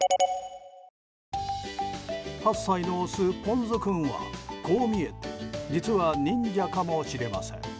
８歳のオス、ポン酢君はこう見えて実は、忍者かもしれません。